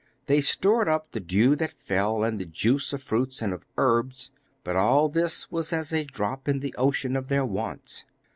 They stored up the dew that fell, and the juice of fruits and of herbs, but all this was as a drop in the ocean of their wants.